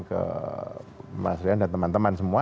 ke mas rian dan teman teman semua